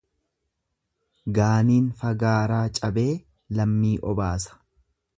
Gaaniin fagaaraa cabee lammii obaasa.